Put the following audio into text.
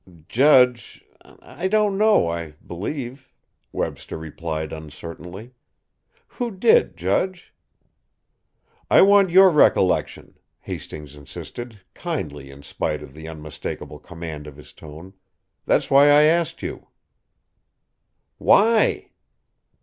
"Judge I don't know, I believe," Webster replied uncertainly. "Who did, judge?" "I want your recollection," Hastings insisted, kindly in spite of the unmistakable command of his tone. "That's why I asked you." "Why?"